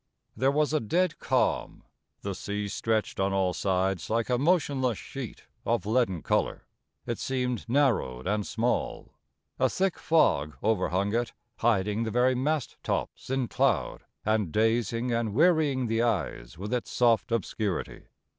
There was a dead calm. The sea stretched on all sides like a motionless sheet of leaden colour. It seemed narrowed and small ; a thick fog overhung it, hiding the very mast tops in 317 POEMS IN PROSE cloud, and dazing and wearying the eyes with its soft obscurity.